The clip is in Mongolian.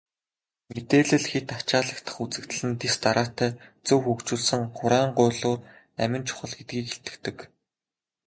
Мэдээлэл хэт ачаалагдах үзэгдэл нь дэс дараатай, зөв хөгжүүлсэн хураангуйлуур амин чухал гэдгийг илтгэдэг.